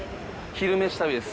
「昼めし旅」です。